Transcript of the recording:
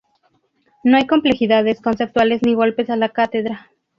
No hay complejidades conceptuales ni golpes a la cátedra.